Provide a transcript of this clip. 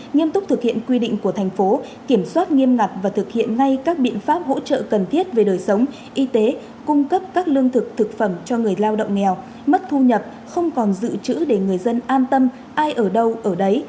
nghiêm túc thực hiện quy định của thành phố kiểm soát nghiêm ngặt và thực hiện ngay các biện pháp hỗ trợ cần thiết về đời sống y tế cung cấp các lương thực thực phẩm cho người lao động nghèo mất thu nhập không còn dự trữ để người dân an tâm ai ở đâu ở đấy